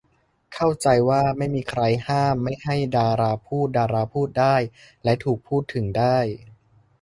เข้าใจว่าไม่มีใครห้ามไม่ให้ดาราพูด ดาราพูดได้ และถูกพูดถึงได้